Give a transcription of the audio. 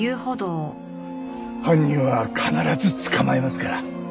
犯人は必ず捕まえますから。